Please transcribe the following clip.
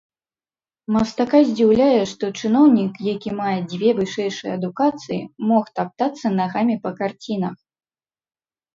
Мастака здзіўляе, што чыноўнік, які мае дзве вышэйшыя адукацыі, мог таптацца нагамі па карцінах.